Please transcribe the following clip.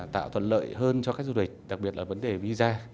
tạo thuận lợi hơn cho khách du lịch đặc biệt là vấn đề visa